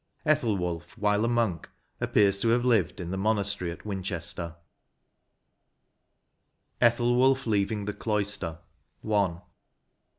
Ethelwulph, while a monk, appears to have lived in the monastery at Winchester. 89 XLIV. ETHELWULPH LEAVING THE CLOISTER. — I.